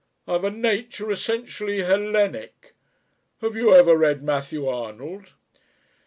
I've a nature essentially Hellenic. Have you ever read Matthew Arnold?"